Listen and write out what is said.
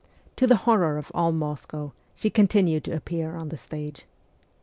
To the horror of ' all Moscow,' she continued to appear on the stage.